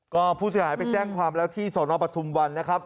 ก็ผู้เสียหายไปแจ้งความแล้วที่สนปทุมวันนะครับ